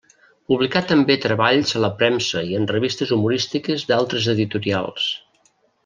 Publicà també treballs a la premsa i en revistes humorístiques d'altres editorials.